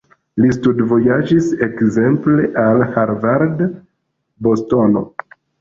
Li studvojaĝis ekzemple al Harvard, Bostono.